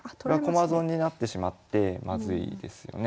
駒損になってしまってまずいですよね。